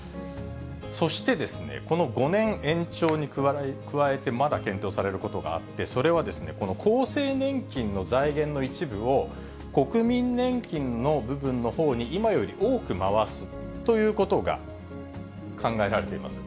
そして、この５年延長に加えて、まだ検討されることがあって、それはこの厚生年金の財源の一部を、国民年金の部分のほうに今より多く回すということが考えられています。